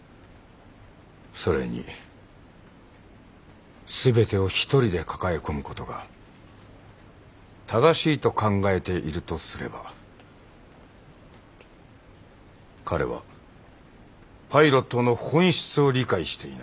それに全てを一人で抱え込むことが正しいと考えているとすれば彼はパイロットの本質を理解していない。